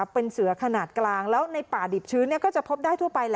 เป็นเสือขนาดกลางแล้วในป่าดิบชื้นก็จะพบได้ทั่วไป